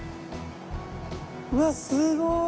うわっすごい。